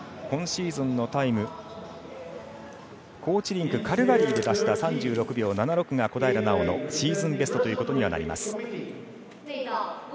今シーズンのタイム高地リンク、カルガリーで出した３６秒７６が小平奈緒のシーズンベストということにはなります。